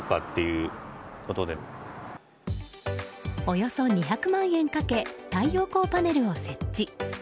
およそ２００万円かけ太陽光パネルを設置。